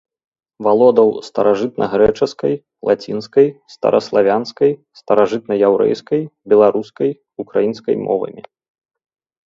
Валодаў старажытнагрэчаскай, лацінскай, стараславянскай, старажытнаяўрэйскай, беларускай, украінскай мовамі.